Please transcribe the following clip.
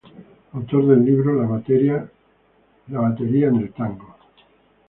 Autor del libro "La batería en el tango".